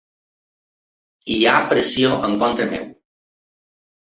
Hi ha pressió en contra meu.